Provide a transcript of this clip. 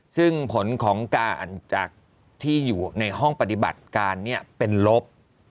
ซึ่งผลของการจากที่อยู่ในห้องปฏิบัติการเป็นลบ